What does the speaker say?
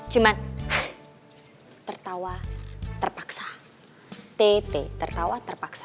cuman tertawa terpaksa tt tertawa terpaksa